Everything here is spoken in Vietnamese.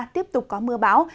tiếp tục có mưa báo